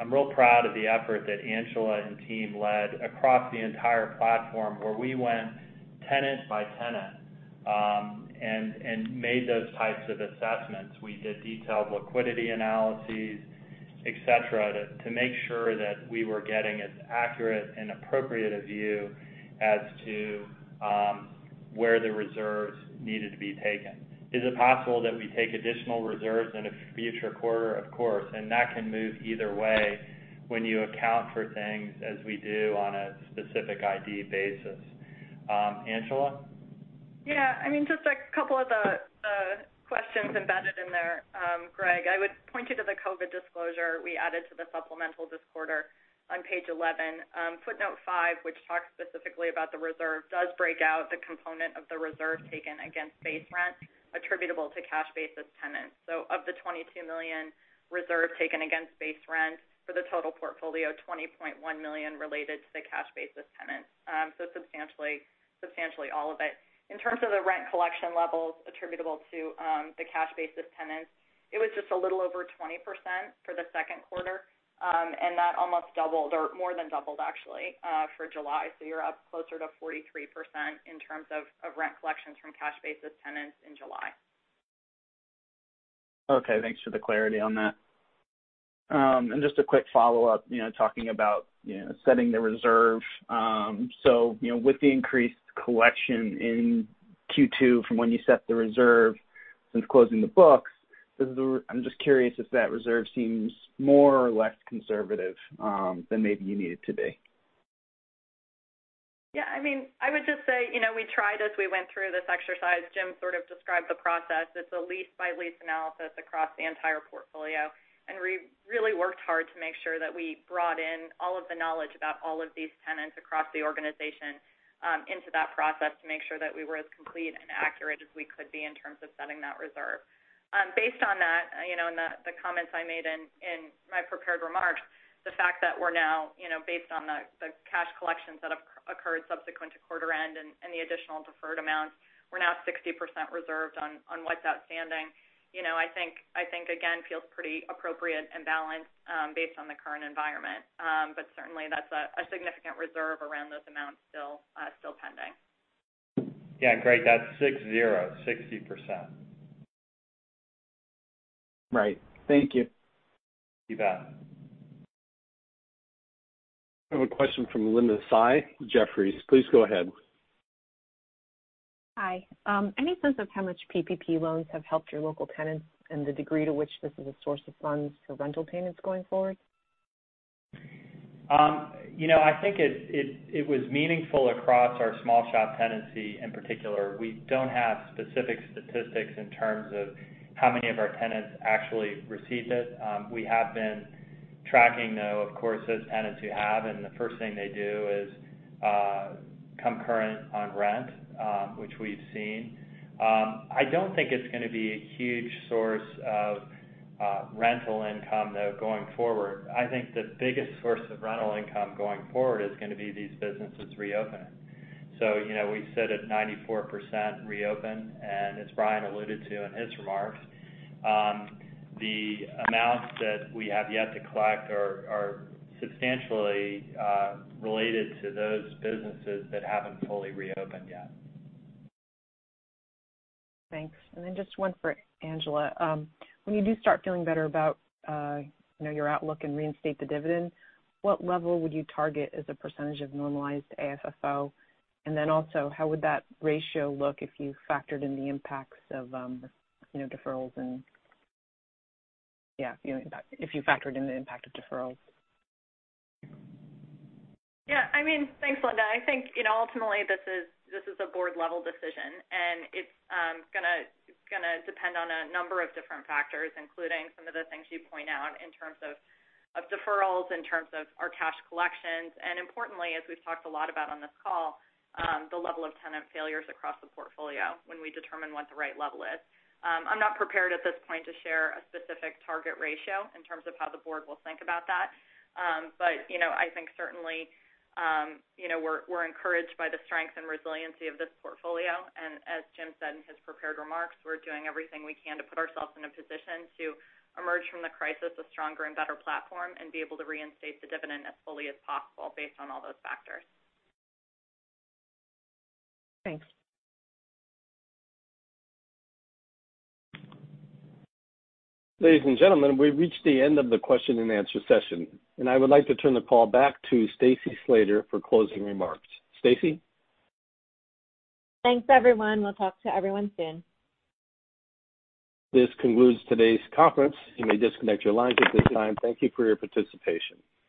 [SPEAKER 3] I'm real proud of the effort that Angela and team led across the entire platform, where we went tenant by tenant and made those types of assessments. We did detailed liquidity analyses, et cetera, to make sure that we were getting as accurate and appropriate a view as to where the reserves needed to be taken. Is it possible that we take additional reserves in a future quarter? Of course. That can move either way when you account for things as we do on a specific ID basis. Angela?
[SPEAKER 4] Yeah. Just a couple of the questions embedded in there, Greg. I would point you to the COVID disclosure we added to the supplemental this quarter on page 11. Footnote 5, which talks specifically about the reserve, does break out the component of the reserve taken against base rent attributable to cash basis tenants. Of the $22 million reserve taken against base rent for the total portfolio, $20.1 million related to the cash basis tenants. Substantially all of it. In terms of the rent collection levels attributable to the cash basis tenants, it was just a little over 20% for the second quarter. That almost doubled, or more than doubled actually, for July. You're up closer to 43% in terms of rent collections from cash basis tenants in July.
[SPEAKER 18] Okay. Thanks for the clarity on that. Just a quick follow-up, talking about setting the reserve. With the increased collection in Q2 from when you set the reserve since closing the books, I'm just curious if that reserve seems more or less conservative than maybe you need it to be.
[SPEAKER 4] Yeah. I would just say we tried as we went through this exercise. Jim sort of described the process. It's a lease-by-lease analysis across the entire portfolio. We really worked hard to make sure that we brought in all of the knowledge about all of these tenants across the organization into that process to make sure that we were as complete and accurate as we could be in terms of setting that reserve. Based on that and the comments I made in my prepared remarks, the fact that we're now based on the cash collections that have occurred subsequent to quarter end and the additional deferred amounts, we're now 60% reserved on what's outstanding. I think again feels pretty appropriate and balanced based on the current environment. Certainly that's a significant reserve around those amounts still pending.
[SPEAKER 3] Yeah. Greg, that's six, zero, 60%.
[SPEAKER 18] Right. Thank you.
[SPEAKER 3] You bet.
[SPEAKER 1] I have a question from Linda Tsai with Jefferies. Please go ahead.
[SPEAKER 19] Hi. Any sense of how much PPP loans have helped your local tenants and the degree to which this is a source of funds for rental payments going forward?
[SPEAKER 3] I think it was meaningful across our small shop tenancy in particular. We don't have specific statistics in terms of how many of our tenants actually received it. We have been tracking, though, of course, those tenants who have, and the first thing they do is come current on rent, which we've seen. I don't think it's going to be a huge source of rental income, though, going forward. I think the biggest source of rental income going forward is going to be these businesses reopening. We said at 94% reopen, and as Brian alluded to in his remarks, the amounts that we have yet to collect are substantially related to those businesses that haven't fully reopened yet.
[SPEAKER 19] Thanks. Just one for Angela. When you do start feeling better about your outlook and reinstate the dividend, what level would you target as a % of normalized AFFO? How would that ratio look if you factored in the impact of deferrals?
[SPEAKER 4] Thanks, Linda. I think, ultimately, this is a board-level decision, and it's going to depend on a number of different factors, including some of the things you point out in terms of deferrals, in terms of our cash collections, and importantly, as we've talked a lot about on this call, the level of tenant failures across the portfolio when we determine what the right level is. I'm not prepared at this point to share a specific target ratio in terms of how the board will think about that. I think certainly, we're encouraged by the strength and resiliency of this portfolio. As Jim said in his prepared remarks, we're doing everything we can to put ourselves in a position to emerge from the crisis a stronger and better platform and be able to reinstate the dividend as fully as possible based on all those factors.
[SPEAKER 19] Thanks.
[SPEAKER 1] Ladies and gentlemen, we've reached the end of the question and answer session, and I would like to turn the call back to Stacy Slater for closing remarks. Stacy?
[SPEAKER 2] Thanks, everyone. We'll talk to everyone soon.
[SPEAKER 1] This concludes today's conference. You may disconnect your lines at this time. Thank you for your participation.